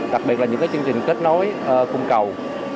đặc biệt là những chương trình kết nối cung cầu